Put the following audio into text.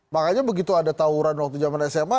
makanya begitu ada tawuran waktu zaman sma